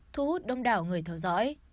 thu hút đông đảo người theo dõi